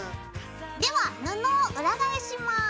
では布を裏返します。